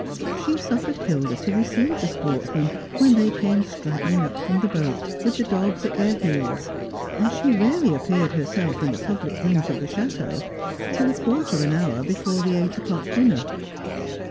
She suffered Hilda to receive the sportsmen when they came straggling up from the boat, with the dogs at their heels, and she rarely appeared herself in the public rooms of the chateau till a quarter of an hour before the eight o'clock dinner.